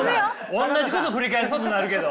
おんなじこと繰り返すことになるけど。